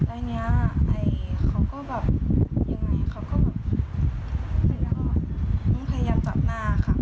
อันนี้เขาก็แบบยังไงเขาก็แบบพยายามจับหน้าค่ะ